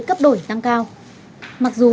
cấp đổi tăng cao mặc dù